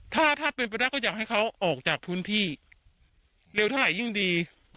ถ้าถ้าเป็นไปได้ก็อยากให้เขาออกจากพื้นที่เร็วเท่าไหร่ยิ่งดี